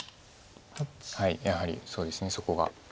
やはりそうですねそこが。